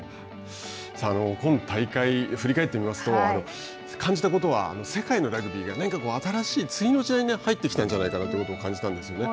さあ、今大会を振り返ってみますと、感じたことは、世界のラグビーが、何か新しい次の時代に入ってきたんじゃないかということを感じたんですよね。